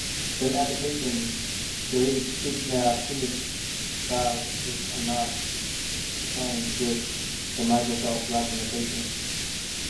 Some applications create bitmap image files which are not compliant with the Microsoft documentation.